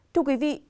chúc quý vị